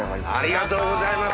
ありがとうございます。